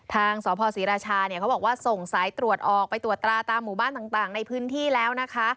ทางสพศรีราชาเนี่ยเขาบอกว่าส่งสายตรวจออกไปตรวจตราตามหมู่บ้านต่างในพื้นที่แล้วนะคะ